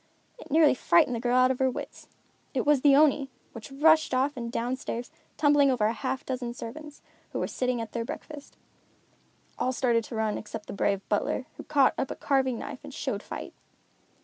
It nearly frightened the girl out of her wits. It was the Oni, which rushed off and down stairs, tumbling over a half dozen servants, who were sitting at their breakfast. All started to run except the brave butler, who caught up a carving knife and showed fight.